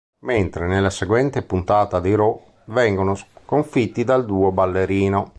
Mentre nella seguente puntata di "Raw", vengono sconfitti dal duo ballerino.